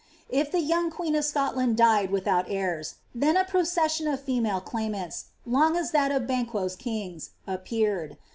If the young queen of Scotland died without heirs, thai a procession of female clainuints, long as that of Banquo^s kings, ap peared.